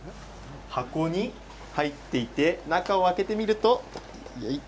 箱に入っていて中を開けてみると。